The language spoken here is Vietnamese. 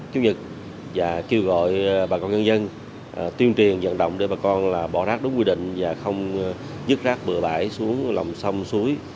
chủ nhật và kêu gọi bà con dân dân tuyên truyền dẫn động để bà con bỏ rác đúng quy định và không dứt rác bừa bãi xuống lòng sông suối